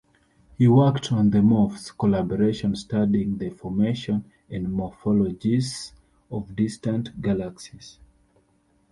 He worked on the Morphs collaboration studying the formation and morphologies of distant galaxies.